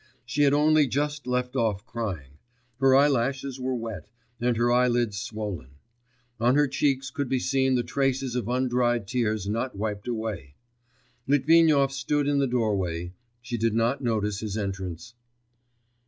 She had only just left off crying; her eyelashes were wet, and her eyelids swollen; on her cheeks could be seen the traces of undried tears not wiped away. Litvinov stood still in the doorway; she did not notice his entrance.